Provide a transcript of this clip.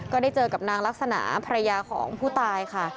ก็ได้เจอกับนางลักษณะภรรยาของผู้ตายค่ะ